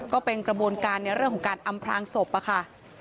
ก็เป็นกระบวนการในเรื่องของการอำพลางศพค่ะ